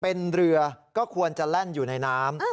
เป็นเรือก็ควรจะแล่นอยู่ในน้ำ